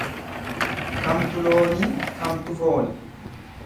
Kamtu loonii kamtu fooni.